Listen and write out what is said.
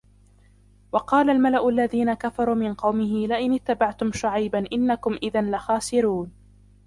وقال الملأ الذين كفروا من قومه لئن اتبعتم شعيبا إنكم إذا لخاسرون